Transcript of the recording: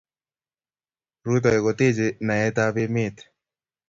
rutoi kotechei naetab emet